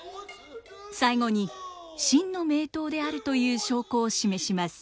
最後に真の名刀であるという証拠を示します。